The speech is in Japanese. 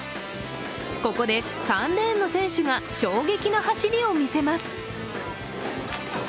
ここで３レーンの選手が衝撃の走りを見せます。